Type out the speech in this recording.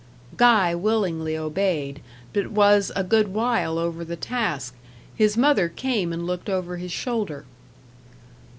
Guy willingly obeyed, but was a good while over the task; his mother came and looked over his shoulder.